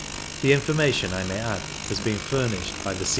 The infor mation, I may add, has been furnished by the C.T.